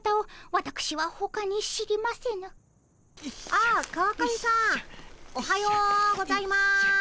あっ川上さんおはようございます。